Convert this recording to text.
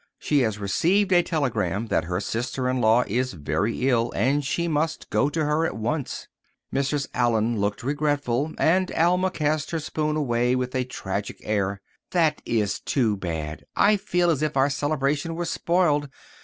She has received a telegram that her sister in law is very ill and she must go to her at once." Mrs. Allen looked regretful, and Alma cast her spoon away with a tragic air. "That is too bad. I feel as if our celebration were spoiled.